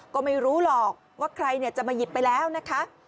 ก็ไม่รู้หรอกว่าใครจะมาหยิบไปแล้วนะคะ